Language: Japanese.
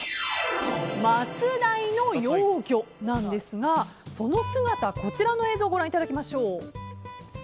マツダイの幼魚なんですがその姿は、こちらの映像をご覧いただきましょう。